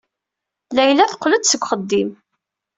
Layla teqqel-d seg uxeddim.